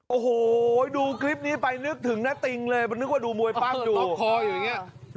โอ้โหดูคลิปนี้ไปนึกถึงน้าติงเลยนึกว่าดูมวยปั้งอยู่ล็อกคออยู่อย่างนี้